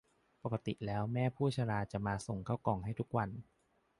ปกติแล้วแม่ผู้ชราจะมาส่งก่องข้าวให้ทุกวัน